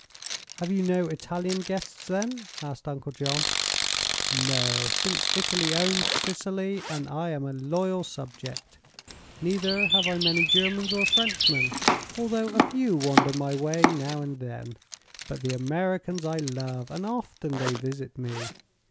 "Have you no Italian guests, then?" asked Uncle John. "No, since Italy owns Sicily, and I am a loyal subject. Neither have I many Germans or Frenchmen, although a few wander my way, now and then. But the Americans I love, and often they visit me.